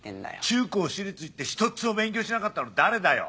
中高私立行って１つも勉強しなかったの誰だよ？